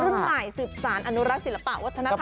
พื้นหลายสืบสารอนุรักษ์ศิลปะวัฒนธรรมไทย